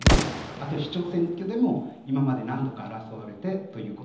あと市長選挙でも今まで何度か争われてと。